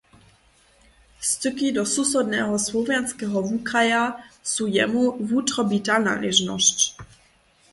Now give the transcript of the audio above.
Styki do susodneho słowjanskeho wukraja su jemu wutrobita naležnosć.